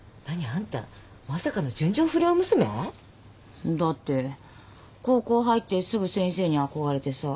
あんたまさかの純情不良娘？だって高校入ってすぐ先生に憧れてさ